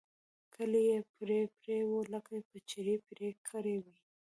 كالي يې پرې پرې وو لکه په چړې پرې كړي وي.